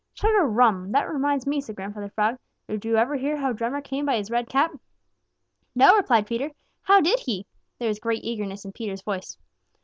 "Chug a rum! That reminds me," said Grandfather Frog. "Did you ever hear how Drummer came by his red cap?" "No," replied Peter. "How did he?" There was great eagerness in Peter's voice.